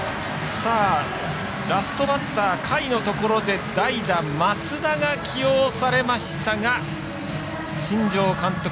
ラストバッター甲斐のところで代打、松田が起用されましたが新庄監督